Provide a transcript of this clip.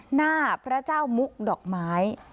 หน้าพระเจ้ามุกดอกไม้